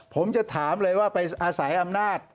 ผมจะถามเลยว่าไปอาศัยอำนาจ